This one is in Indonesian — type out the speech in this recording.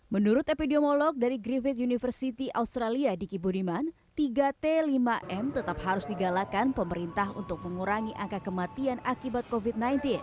menurut epidemiolog dari griffith university australia diki budiman tiga t lima m tetap harus digalakan pemerintah untuk mengurangi angka kematian akibat covid sembilan belas